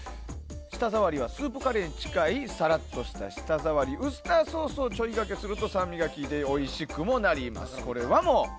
舌触りはスープカレーに近いさらっとした舌ざわりウスターソースをちょいかけすると酸味がきいておいしくもなります。